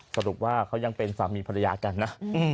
สรุปว่าเขายังเป็นสามีภรรยากันนะ